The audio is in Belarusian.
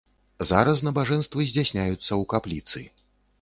Зараз набажэнствы здзяйсняюцца ў капліцы.